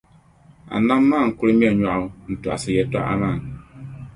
Anabi maa n-kul ŋme nyɔɣu n-tɔɣisi yɛtɔɣa maa.